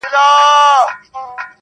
• وږی تږی د سل کالو په سل کاله نه مړېږم,